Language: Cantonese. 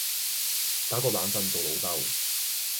打個冷震做老豆